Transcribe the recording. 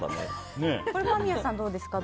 間宮さん、どうですか？